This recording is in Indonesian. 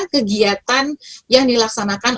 kegiatan yang dilaksanakan